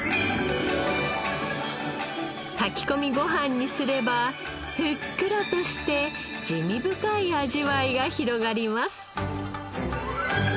炊き込みご飯にすればふっくらとして滋味深い味わいが広がります。